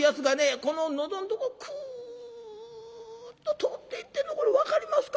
この喉んとこくっと通っていってんのこれ分かりますか？